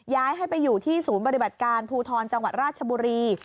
ย้ายให้ไปอยู่ที่ศูนย์ปฏิบัติการภูทรจังหวัดราชบุรี